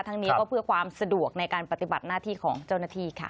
นี้ก็เพื่อความสะดวกในการปฏิบัติหน้าที่ของเจ้าหน้าที่ค่ะ